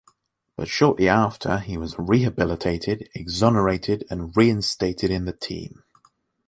But shortly after, he was rehabilitated, exonerated, and reinstated in the team.